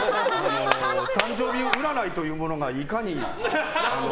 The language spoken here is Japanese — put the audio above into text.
誕生日占いというものがいかに。